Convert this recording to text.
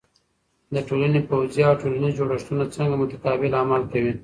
د ټولنې پوځی او ټولنیزې جوړښتونه څنګه متقابل عمل کوي؟